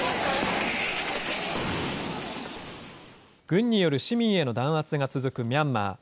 軍による市民への弾圧が続くミャンマー。